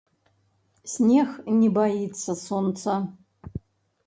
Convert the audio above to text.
Снег не баіцца сонца.